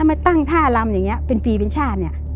ทำไมตั้งท่ารำอย่างนี้เป็นปีเป็นชาติ